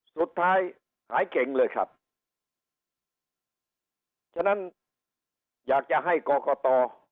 สุดท้ายหายเก่งเลยครับฉะนั้นอยากจะให้กรกต